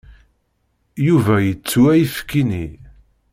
Yuba yettu ayefki-nni.